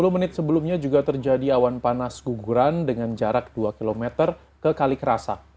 sepuluh menit sebelumnya juga terjadi awan panas guguran dengan jarak dua km ke kalikrasak